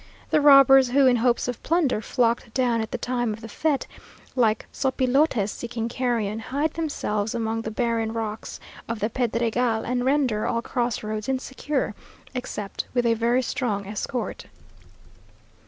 The robbers who, in hopes of plunder, flocked down at the time of the fête, like sopilotes seeking carrion, hide themselves among the barren rocks of the Pedregal, and render all cross roads insecure, except with a very strong escort.